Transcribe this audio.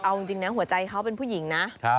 เอาจริงนะหัวใจเขาเป็นผู้หญิงนะ